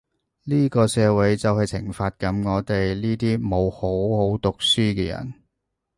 呢個社會就係懲罰緊我哋呢啲冇好好讀書嘅人